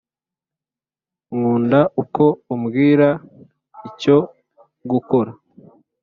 nkunda uko umbwira icyo gukora.